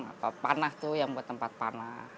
apa panah itu yang buat tempat panah